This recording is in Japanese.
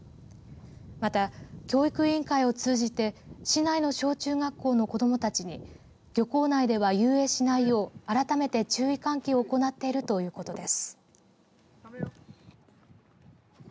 また、教育委員会を通じて市内の小中学校の子どもたちに漁港内では遊泳しないよう改めて注意喚起を行っているということです。